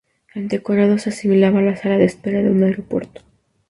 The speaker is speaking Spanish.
El decorado se asimilaba a la sala de espera de un aeropuerto.